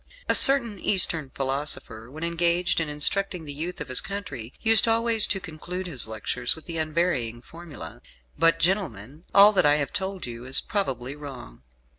A certain Eastern philosopher, when engaged in instructing the youth of his country, used always to conclude his lectures with the unvarying formula, "But, gentlemen, all that I have told you is probably wrong."